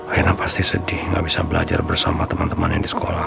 reyna pasti sedih gak bisa belajar bersama teman temannya di sekolah